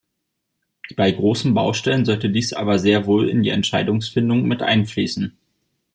Bei großen Baustellen sollte dies aber sehr wohl in die Entscheidungsfindung mit einfließen.